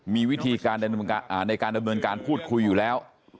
มีวิธีการในการดำเนินการพูดคุยอยู่แล้ว